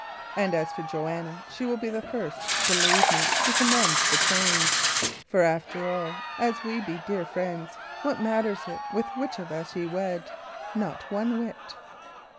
And as for Joanna, she will be the first, believe me, to commend the change; for, after all, as we be dear friends, what matters it with which of us ye wed? Not one whit!"